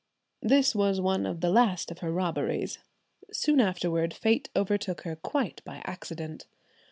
This was one of the last of her robberies. Soon afterwards fate overtook her quite by accident.